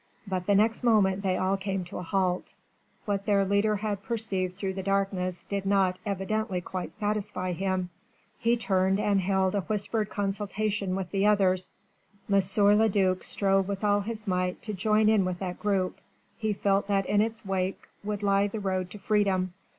But the next moment they all came to a halt: what their leader had perceived through the darkness did not evidently quite satisfy him: he turned and held a whispered consultation with the others. M. le duc strove with all his might to join in with that group. He felt that in its wake would lie the road to freedom.